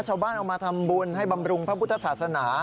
ชาวบ้านเอามาทำบุญให้บำรุงพระพุทธศาสนา